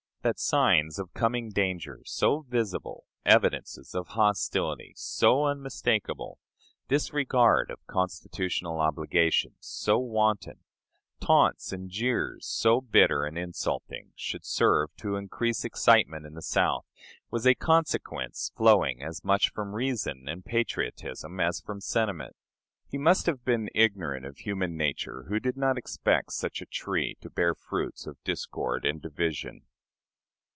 That signs of coming danger so visible, evidences of hostility so unmistakable, disregard of constitutional obligations so wanton, taunts and jeers so bitter and insulting, should serve to increase excitement in the South, was a consequence flowing as much from reason and patriotism as from sentiment. He must have been ignorant of human nature who did not expect such a tree to bear fruits of discord and division.